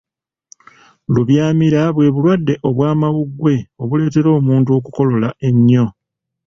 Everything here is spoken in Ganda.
Lubyamira bwe bulwadde obw'amawuggwe obuleetera omuntu okukolola ennyo.